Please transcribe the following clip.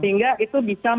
sehingga itu sangat mudah